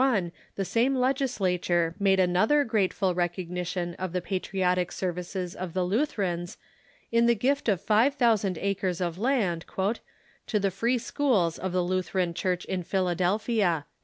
In 1V91 the same Legislature made anotlier grateful recognition of the patriotic services of the Luther ans in the gift of five thousand acres of land "to the free schools of the Lutheran Church in Philadelphia."